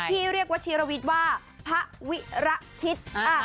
พี่เรียกวัชิรวิตว่าพวิระชิด